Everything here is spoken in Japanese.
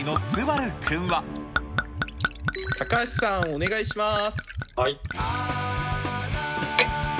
高橋さん、お願いします。